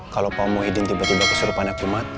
kalau pak muhyiddin tiba tiba kesurupan akumat